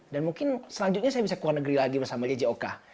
dan mungkin selanjutnya saya bisa keluar negeri lagi bersama jjok